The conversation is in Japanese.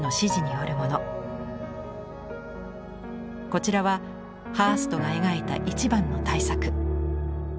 こちらはハーストが描いた一番の大作。